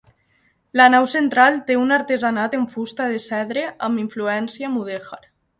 La nau central té un artesanat en fusta de cedre amb influència mudèjar.